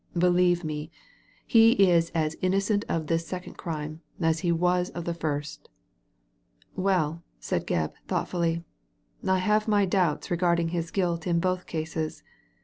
Believe me, he is as innocent of this second crime as he was of the first" "Well," said Gebb, thoughtfully, "I have my doubts regarding his guilt in both cases.